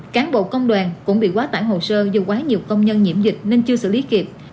cán bộ công đoàn cũng bị quá tải hồ sơ dù quá nhiều công nhân nhiễm dịch nên chưa xử lý kịp